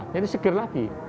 jadi seger lagi